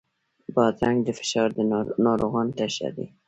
بادرنګ د فشار ناروغانو ته ښه دی.